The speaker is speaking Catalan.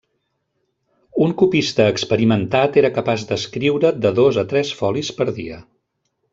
Un copista experimentat era capaç d'escriure de dos a tres folis per dia.